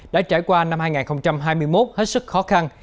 đã trải qua năm hai nghìn hai mươi một hết sức khó khăn